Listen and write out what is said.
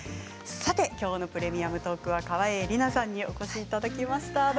きょうの「プレミアムトーク」は川栄李奈さんにお越しいただきました。